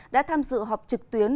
đã tham dự họp trực tuyến